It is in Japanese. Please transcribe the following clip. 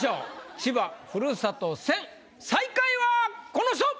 千葉ふるさと戦最下位はこの人！